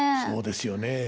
そうですよね。